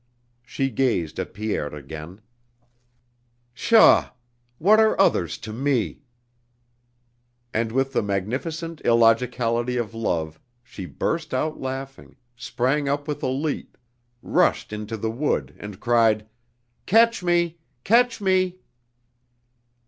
..." She gazed at Pierre again: "Pshaw! What are others to me?" And with the magnificent illogicality of love she burst out laughing, sprang up with a leap, rushed into the wood and cried: "Catch me, catch me!"